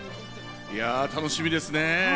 いや、楽しみですね。